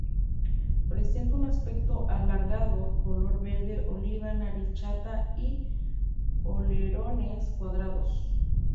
Presentaba un aspecto alargado, color verde oliva, nariz chata y alerones cuadrados.